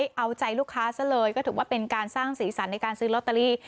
เอาใจลูกค้าซะเลยก็ถือว่าเป็นการสร้างสีสันในการซื้อลอตเตอรี่